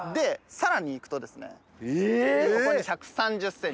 さらに行くとここに１３０ｃｍ。